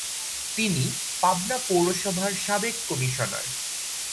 তিনি পাবনা পৌরসভার সাবেক কমিশনার।